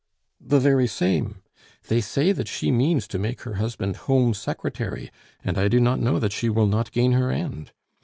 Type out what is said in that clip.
"The very same. They say that she means to make her husband Home Secretary, and I do not know that she will not gain her end.